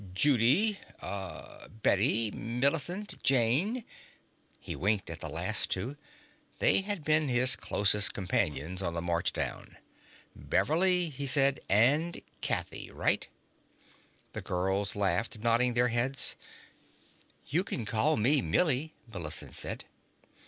"Judy. Uh Bette. Millicent. Jayne." He winked at the last two. They had been his closest companions on the march down. "Beverly," he said, "and Kathy. Right?" The girls laughed, nodding their heads. "You can call me Millie," Millicent said.